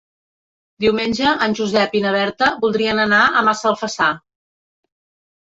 Diumenge en Josep i na Berta voldrien anar a Massalfassar.